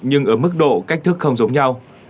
nhưng ở mức độ cách thức không giống nhau